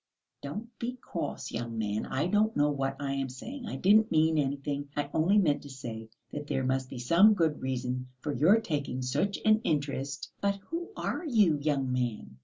"Don't be cross, young man; I don't know what I am saying. I didn't mean anything; I only meant to say that there must be some good reason for your taking such an interest.... But who are you, young man?